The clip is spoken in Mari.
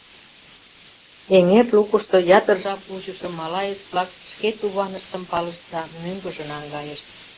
Эҥер лукышто ятыр жап вучышо малаец-влак шке туваныштым палышт да мӧҥгыжӧ наҥгайышт.